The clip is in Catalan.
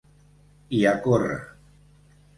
I a córrer.